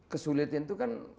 kesulitan itu kan